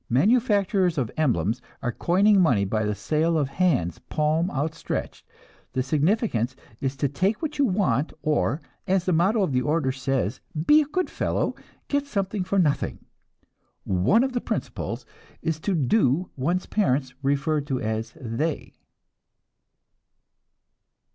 Manufacturers of emblems are coining money by the sale of hands, palm outstretched. The significance is take what you want or, as the motto of the order says, 'be a good fellow; get something for nothing.' One of the principles is to 'do' one's parents, referred to as 'they.'"